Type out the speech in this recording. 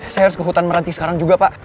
saya harus ke hutan meranti sekarang juga pak